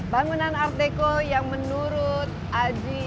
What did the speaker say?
bangunan art deco yang menurut aji